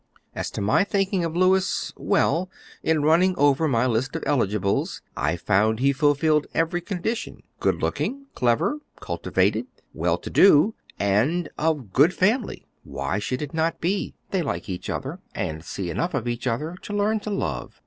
As to my thinking of Louis, well, in running over my list of eligibles, I found he fulfilled every condition, good looking, clever, cultivated, well to do, and of good family. Why should it not be? They like each other, and see enough of each other to learn to love.